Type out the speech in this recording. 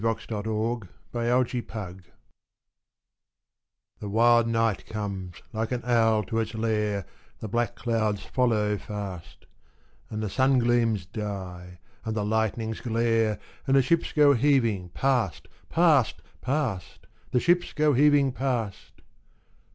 God Help Our Men at Sea The wild night comes like an owl to its lair, The black clouds follow fast, And the sun gleams die, and the lightnings glare, And the ships go heaving past, past, past The ships go heaving past!